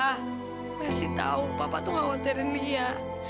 pak mersi tahu papa tuh ngawas dari lia